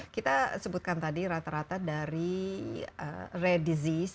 kita sebutkan tadi rata rata dari rare disease